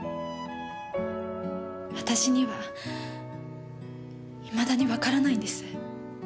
私にはいまだにわからないんです。